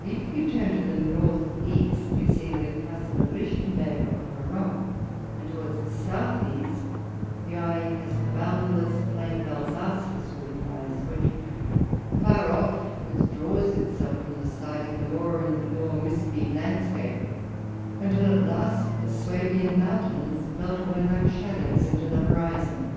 If you turn to the north east, you see the castle of Lichten berg upon a rock ; and towards the south east the eye has the boundless plain of Alsace to scrutinize, which, afar off, with draws itself from the sight in the more and more misty land scape, until at last the Suabian mountains melt away like shadows into the horizon.